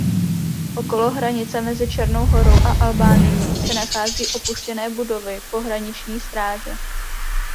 Okolo hranice mezi Černou Horou a Albánií se nachází opuštěné budovy pohraniční stráže.